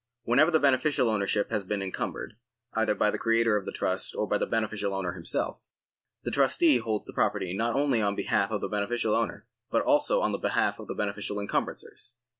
Whenever the beneficial ownership has been encumbered, either by the creator of the trust or by the beneficial owner himself, the trustee holds the property not only on behalf of the beneficial owner but also on behalf of the beneficial encumbrancers.